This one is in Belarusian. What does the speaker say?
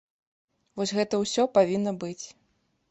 Вось гэта ўсё павінна быць.